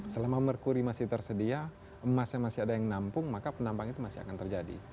selama merkuri masih tersedia emasnya masih ada yang nampung maka penampang itu masih akan terjadi